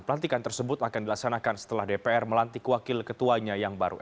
pelantikan tersebut akan dilaksanakan setelah dpr melantik wakil ketuanya yang baru